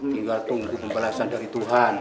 tinggal tunggu pembalasan dari tuhan